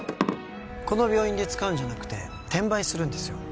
この病院で使うんじゃなくて転売するんですよ